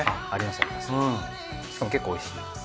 しかも結構おいしい。